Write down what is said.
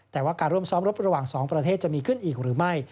แต่ว่าการร่วมซ้อมรบระหว่าง๒ประเทศจะมีขึ้นอีกหรือไม่